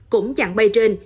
cũng chặng bay trên